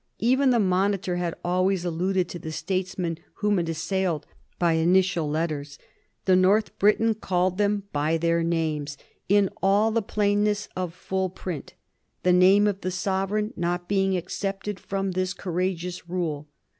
Even the Monitor had always alluded to the statesmen whom it assailed by initial letters. The North Briton called them by their names in all the plainness of full print, the name of the sovereign not being excepted from this courageous rule.